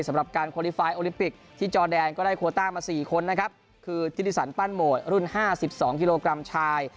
สำหรับการควอลิฟิคที่จอแดนก็ได้โควต้ามาสี่คนนะครับคือทิศัลปั้นโหมดรุ่นห้าสิบสองกิโลกรัมชาย